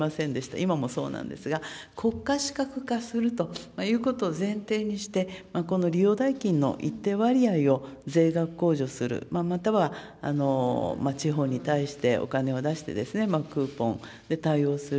今もそうなんですが、国家資格化するということを前提にして、この利用代金の一定割合を税額控除する、または地方に対して、お金を出してですね、クーポンで対応する。